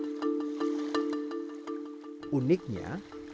pada akhirnya masyarakat menemukan siapa yang menemukan siapa di pinggir pantai saat pagi